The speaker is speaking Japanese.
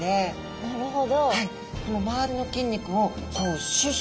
なるほど。